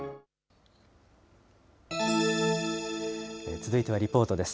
続いてはリポートです。